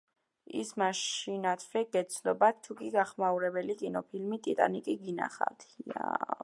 ის მაშინათვე გეცნობათ, თუკი გახმაურებული კინოფილმი - „ტიტანიკი“ - გინახავთ.